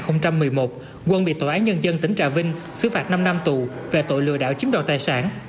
năm hai nghìn một mươi một quân bị tòa án nhân dân tỉnh trà vinh xứ phạt năm năm tù về tội lừa đảo chiếm đoạt tài sản